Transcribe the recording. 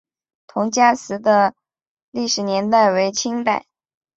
彭家祠的历史年代为清代。